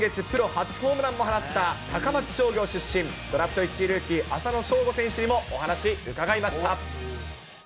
そんな丸選手がお米を食べさせたい、先月、プロ初ホームランを放った高松商業出身、ドラフト１位ルーキー、浅野翔吾選手にもお話、伺いました。